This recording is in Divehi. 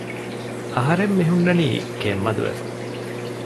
އަހަރެން މިހުންނަނީ ކެތްމަދުވެފަ